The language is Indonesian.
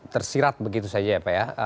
tersirat begitu saja ya pak ya